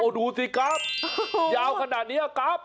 โอ้ดูสิกรัฟยาวขนาดนี้อะกรัฟ